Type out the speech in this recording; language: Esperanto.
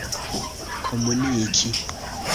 komuniki